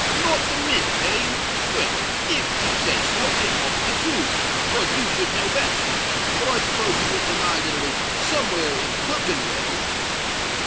"Not the Mint—eh? Well, if you says so, it must be true—'cos you should know best. But I s'pose you won't deny that it was somewhere in Clerkenwell?"